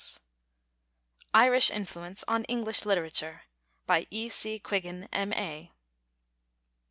IRISH INFLUENCE ON ENGLISH LITERATURE By E.C. QUIGGIN, M.A.